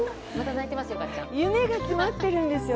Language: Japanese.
夢が詰まってるんですよ。